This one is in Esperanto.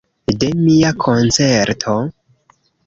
De mia koncerto?